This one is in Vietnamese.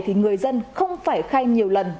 thì người dân không phải khai nhiều lần